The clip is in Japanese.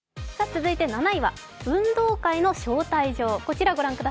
続いて７位は運動会の招待状。